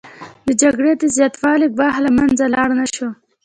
د جګړې د زیاتوالي ګواښ له منځه لاړ نشو